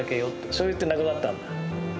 そう言って亡くなったの。